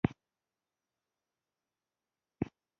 ایا غاښونه برس کوي؟